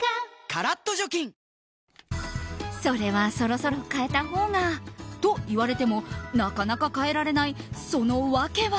カラッと除菌それはそろそろ替えたほうがと言われてもなかなか替えられないそのわけは。